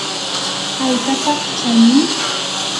¿aykataq chanin?